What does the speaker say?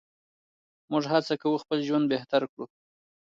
موږ هڅه کوو خپل ژوند بهتر کړو.